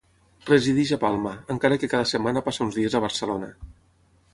Resideix a Palma, encara que cada setmana passa uns dies a Barcelona.